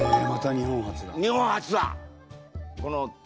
日本初だ。